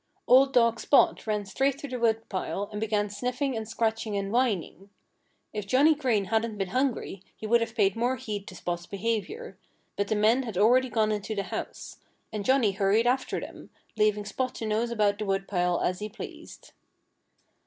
Old dog Spot ran straight to the woodpile and began sniffing and scratching and whining. If Johnnie Green hadn't been hungry he would have paid more heed to Spot's behavior. But the men had already gone into the house. And Johnnie hurried after them, leaving Spot to nose about the woodpile as he pleased.